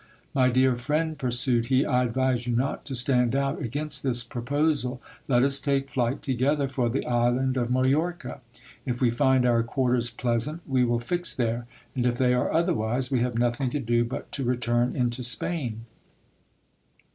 My dear friend, pursued he, I advise you not to stand out against this proposal. Let us take flight together for the island of Majorca. If we find our quarters pleasant, we will fix there ; and if they are otherwise, we have nothing to do but to return into Spain.